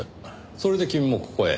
それで君もここへ？